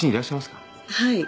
はい。